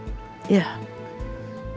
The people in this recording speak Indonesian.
ada rasa kehilangan